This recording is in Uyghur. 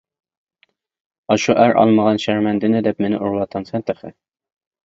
ئاشۇ ئەر ئالمىغان شەرمەندىنى دەپ مېنى ئۇرۇۋاتامسەن تېخى!